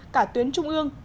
cả tuyến trung ương và tổ chức